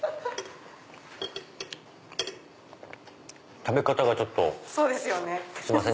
食べ方がちょっとすいません